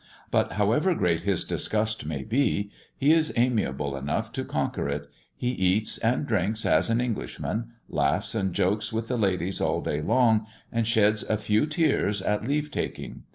But, however great his disgust may be, he is amiable enough to conquer it; he eats and drinks as an Englishman, laughs and jokes with the ladies all day long, and sheds a few tears at leave taking.